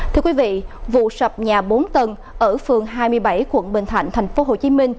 thưa quý vị vụ sập nhà bốn tầng ở phường hai mươi bảy quận bình thạnh tp hcm